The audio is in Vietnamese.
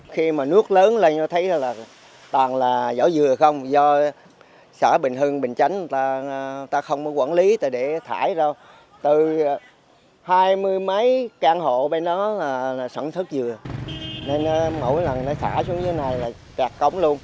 từ hai mươi mấy căn hộ bên đó là sẵn thất dừa nên mỗi lần nó thả xuống dưới này là cạt cổng luôn